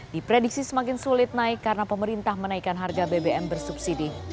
diprediksi semakin sulit naik karena pemerintah menaikkan harga bbm bersubsidi